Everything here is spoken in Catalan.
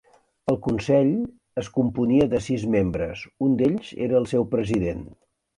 El Consell es componia de sis membres, un d'ells era el seu President.